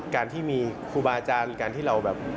การที่มีครูบาอาจารย์การที่เราแบบ